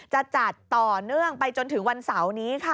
จะจัดต่อเนื่องไปจนถึงวันเสาร์นี้ค่ะ